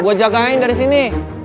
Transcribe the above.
gue jagain dari sini